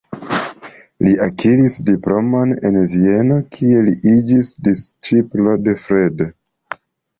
Li akiris diplomon en Vieno, kie li iĝis disĉiplo de Freud.